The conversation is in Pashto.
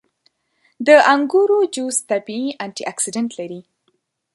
• د انګورو جوس طبیعي انټياکسیدنټ لري.